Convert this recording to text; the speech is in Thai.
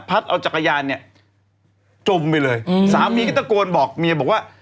เอาจักรยานเนี่ยจมไปเลยสามีก็ตะโกนบอกเมียบอกว่า